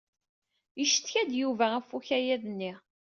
Yeccetka-d Yuba ɣef ukayad-nni.